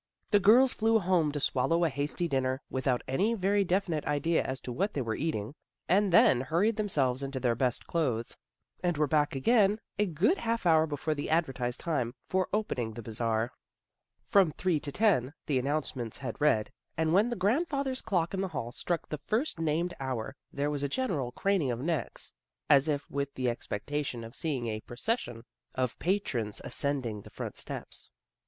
The girls flew home to swallow a hasty dinner, without any very definite idea as to what they were eating, and then hurried themselves into their best clothes, and were back again a good half hour before the advertised time for open ing the Bazar. " From three to ten " the an nouncements had read, and when the grand father's clock in the hall struck the first named hour there was a general craning of necks, as if with the expectation of seeing a procession of patrons ascending the front steps.